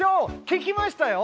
聞きましたよ。